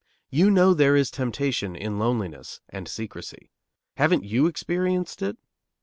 You know there is temptation in loneliness and secrecy. Haven't you experienced it?